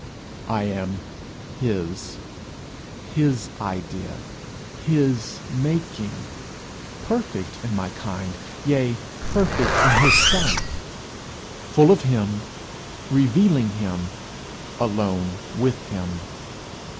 I am his; his idea, his making; perfect in my kind, yea, perfect in his sight; full of him, revealing him, alone with him.